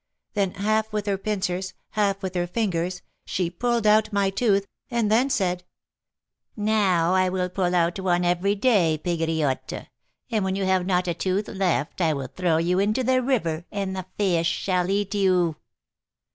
Then, half with her pincers, half with her fingers, she pulled out my tooth, and then said, 'Now I will pull out one every day, Pegriotte; and when you have not a tooth left I will throw you into the river, and the fish shall eat you.'"